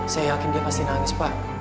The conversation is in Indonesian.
saya yakin dia pasti nangis pak